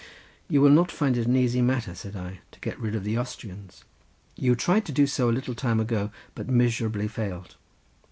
"You will not find it an easy matter," said I, "to get rid of the Austrians: you tried to do so a little time ago, but miserably failed."